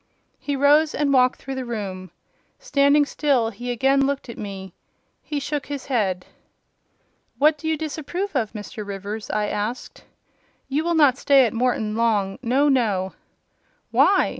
He rose and walked through the room. Standing still, he again looked at me. He shook his head. "What do you disapprove of, Mr. Rivers?" I asked. "You will not stay at Morton long: no, no!" "Why?